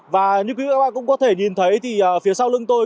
và như các bạn cũng có thể nhìn thấy thì phía sau lưng tôi